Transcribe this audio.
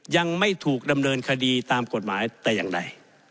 ยังไม่ถูกดำเนินคดีตามกฎหมายแต่อย่างใด